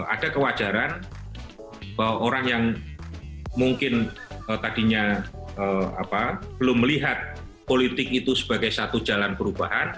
ada kewajaran bahwa orang yang mungkin tadinya belum melihat politik itu sebagai satu jalan perubahan